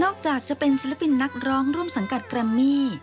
จากจะเป็นศิลปินนักร้องร่วมสังกัดแกรมมี่